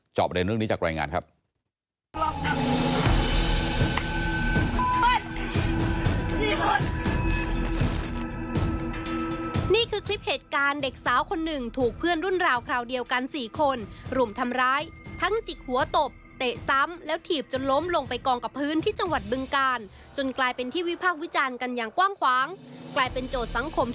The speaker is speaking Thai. ประเด็นเรื่องนี้จากรายงานครับ